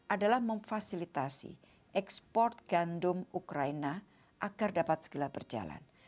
adalah memfasilitasi ekspor gandum ukraina agar dapat segala berjalan